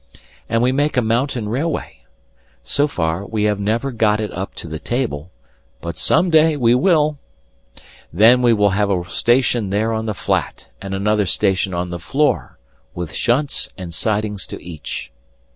And we make a mountain railway. So far, we have never got it up to the table, but some day we will, Then we will have a station there on the flat, and another station on the floor, with shunts and sidings to each.